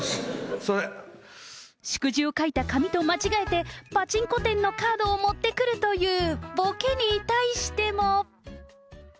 す祝辞を書いた紙と間違えて、パチンコ店のカードを持ってくるというボケに対しても。